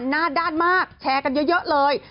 หน้าด้านมากแชร์กันเยอะเลย